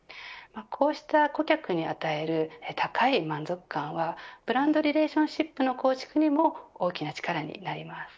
こうした顧客に与える高い満足感はブランド・リレーションシップの構築にも大きな力になります。